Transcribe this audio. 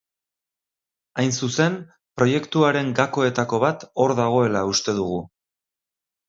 Hain zuzen, proiektuaren gakoetako bat hor dagoela uste dugu.